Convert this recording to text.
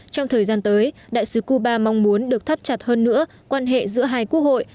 trong thời gian tới đại sứ cuba mong muốn được thắt chặt hơn nữa quan hệ giữa hai quốc hội